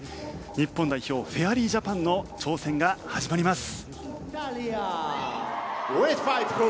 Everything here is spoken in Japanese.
日本代表フェアリージャパンの挑戦が始まります。